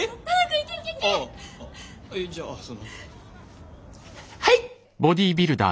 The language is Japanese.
じゃあそのはい！